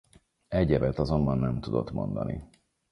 Egyebet azonban nem tudott mondani.